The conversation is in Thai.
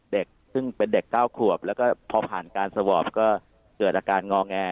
เด็กซึ่งเป็นเด็ก๙ขวบแล้วก็พอผ่านการสวอปก็เกิดอาการงอแง